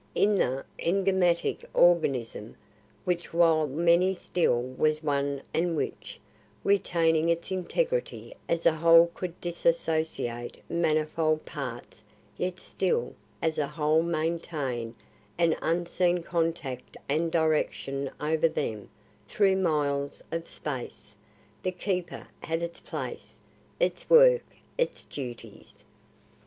In the enigmatic organism which while many still was one and which, retaining its integrity as a whole could dissociate manifold parts yet still as a whole maintain an unseen contact and direction over them through miles of space, the Keeper had its place, its work, its duties.